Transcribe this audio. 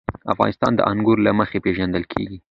افغانستان د انګور له مخې پېژندل کېږي.